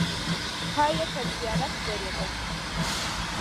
پای یې پر زیارت درېده.